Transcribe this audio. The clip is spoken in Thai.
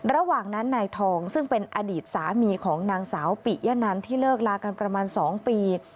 ระหว่างนั้นนายทองซึ่งเป็นอดีตสามีของนางสาวปิยะนันที่เลิกลากันประมาณ๒ปี